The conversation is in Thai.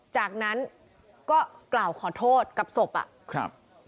จากนั้นก็กล่าวขอโทษกับศพอ่ะครับ